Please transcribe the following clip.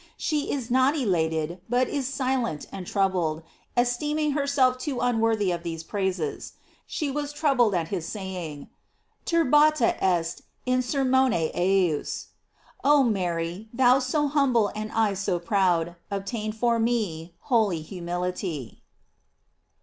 She is not elated, but is silent and troubled, esteem ing herself too unworthy of these praises. She was troubled at his saying : "Turbata est in ser mone ejus."f Oh Mary, thou so humble and I so proud, obtain for me holy humility.